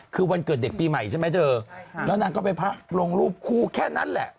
คือวันเกิดเด็กปีใหม่ใช่ไหมเธอแล้วนางก็ไปลงรูปคู่แค่นั้นแหละ